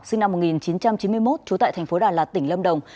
sinh năm một nghìn chín trăm chín mươi một trú tại thành phố đà lạt tỉnh lâm đồng